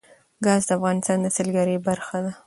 ګاز د افغانستان د سیلګرۍ برخه ده.